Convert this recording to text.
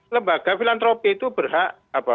lembaga filantropi itu berhak